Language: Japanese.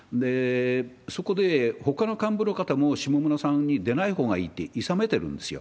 そこでほかの幹部の方も下村さんに出ないほうがいいって、いさめてるんですよ。